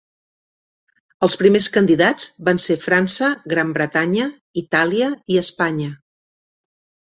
Els primers candidats van ser França, Gran Bretanya, Itàlia i Espanya.